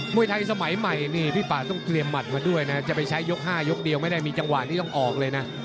วยไทยสมัยใหม่นี่พี่ป่าต้องเตรียมหมัดมาด้วยนะจะไปใช้ยก๕ยกเดียวไม่ได้มีจังหวะที่ต้องออกเลยนะ